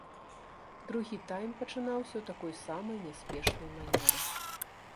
Другі тайм пачынаўся ў такой самай няспешнай манеры.